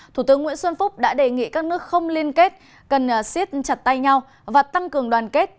thủ tướng nguyễn xuân phúc đã đề nghị các nước không liên kết cần siết chặt tay nhau và tăng cường đoàn kết